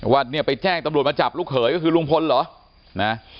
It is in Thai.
ว่าเนี่ยไปแจ้งตำรวจมาจับลูกเขยก็คือลุงพลเหรอนะ